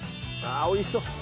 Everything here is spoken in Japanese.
おいしそう。